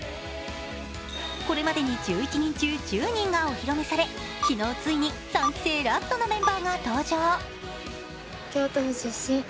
これまでに１１人中１０人がお披露目され、昨日、ついに三期生ラストのメンバーが登場。